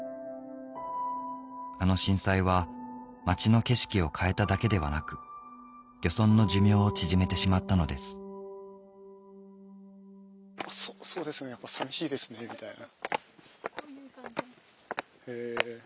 あの震災は町の景色を変えただけではなく漁村の寿命を縮めてしまったのですそうですね寂しいですねみたいな。